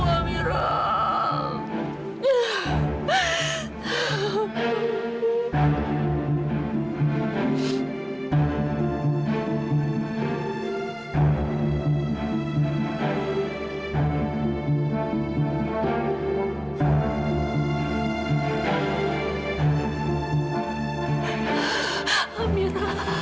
amira kamu harus berhenti